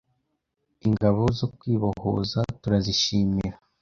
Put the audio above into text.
Ingabo zo Kwibohoza turazishimira